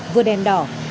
vừa đèn đỏ